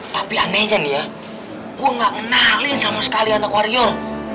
tapi anehnya nih ya gue gak kenalin sama sekali anak warrior